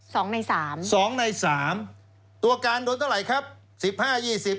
สองในสามสองในสามตัวการโดนเท่าไหร่ครับสิบห้ายี่สิบ